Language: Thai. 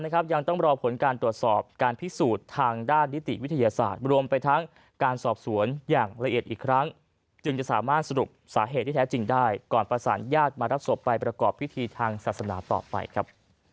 ก่อนประสานญาติมารับศพไปประกอบพิธีทางศาสนาต่อไปครับ